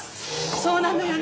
そうなのよね